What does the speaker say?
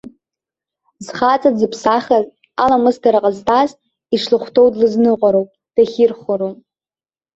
Зхаҵа дзыԥсахыз, аламысдара ҟазҵаз, ишлыхәҭоу длызныҟәароуп, дахьирхәыроуп.